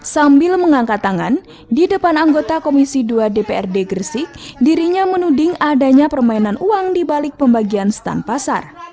sambil mengangkat tangan di depan anggota komisi dua dprd gresik dirinya menuding adanya permainan uang di balik pembagian stand pasar